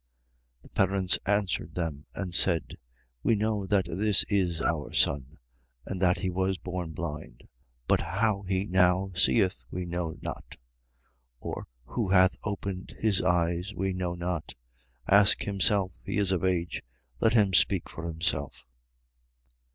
9:20. His parents answered them and said: We know that this is our son and that he was born blind: 9:21. But how he now seeth, we know not: or who hath opened his eyes, we know not. Ask himself: he is of age: Let him speak for himself.